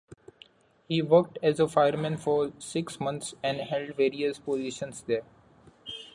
He worked as a fireman for six months and held various positions there.